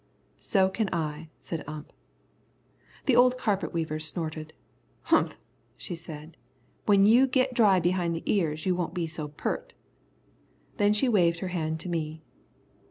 "So can I," said Ump. The old carpet weaver snorted. "Humph," she said, "when you git dry behind the ears you won't be so peart." Then she waved her hand to me.